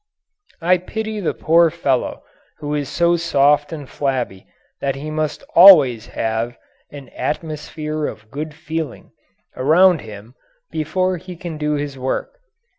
I pity the poor fellow who is so soft and flabby that he must always have "an atmosphere of good feeling" around him before he can do his work.